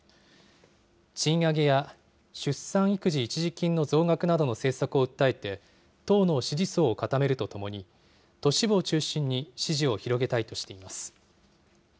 賃上げや出産育児一時金の増額などの政策を訴えて、党の支持層を固めるとともに、都市部を中心に支持を広げたいとしています。